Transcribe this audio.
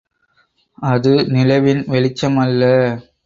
அது நிலவின் வெளிச்சம் அல்ல.